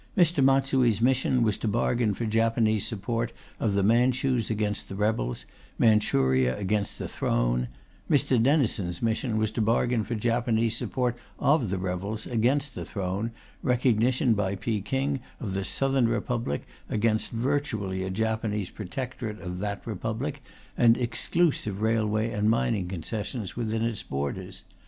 Mr. Matsui's mission was to bargain for Japanese support of the Manchus against the rebels, Manchuria against the throne; Mr. Denison's mission was to bargain for Japanese support of the rebels against the throne, recognition by Peking of the Southern Republic against virtually a Japanese protectorate of that Republic and exclusive railway and mining concessions within its borders.